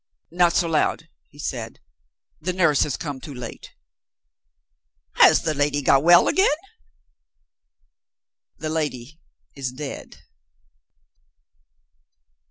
"Not so loud," he said. "The nurse has come too late." "Has the lady got well again?" "The lady is dead."